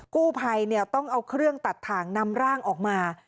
กู้ภัยต้องเอาเครื่องตัดถ่างนำร่างออกมา